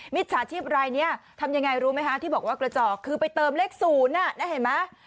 จฉาชีพรายนี้ทำยังไงรู้ไหมคะที่บอกว่ากระจอกคือไปเติมเลข๐นะเห็นไหม